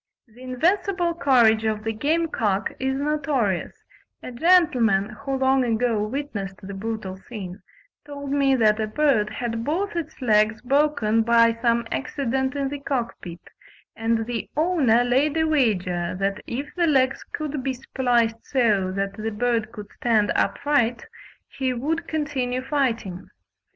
The invincible courage of the game cock is notorious: a gentleman who long ago witnessed the brutal scene, told me that a bird had both its legs broken by some accident in the cockpit, and the owner laid a wager that if the legs could be spliced so that the bird could stand upright, he would continue fighting.